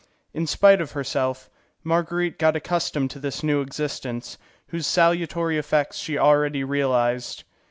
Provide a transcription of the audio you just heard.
In spite of herself, Marguerite got accustomed to this new existence, whose salutary effects she already realized.